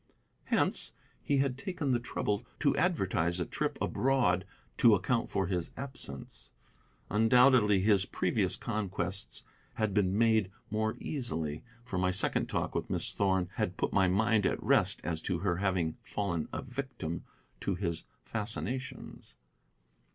Hence he had taken the trouble to advertise a trip abroad to account for his absence. Undoubtedly his previous conquests had been made more easily, for my second talk with Miss Thorn had put my mind at rest as to her having fallen a victim to his fascinations.